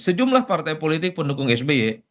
sejumlah partai politik pendukung sby